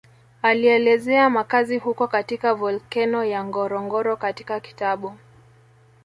Alielezea makazi huko katika volkeno ya Ngorongoro katika kitabu